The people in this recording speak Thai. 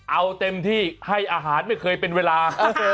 เอาเต็มที่ให้อาหารไม่เคยเป็นเวลา